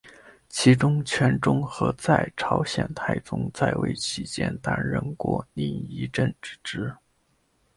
其中权仲和在朝鲜太宗在位期间担任过领议政之职。